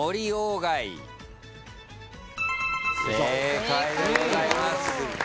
正解でございます。